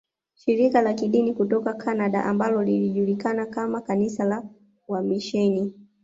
Shirika la Kidini kutoka Canada ambalo lilijulikana kama kanisa la wamisheni